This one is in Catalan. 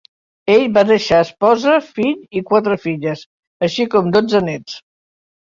Ell va deixar esposa, fill i quatre filles, així com dotze nets.